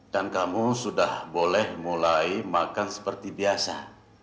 dan kamu sudah boleh mulai makan seperti biasa